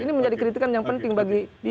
ini menjadi kritikan yang penting bagi kita